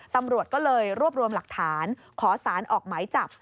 ตำรวจก็เลยรวบรวมหลักฐานขอสารออกหมายจับ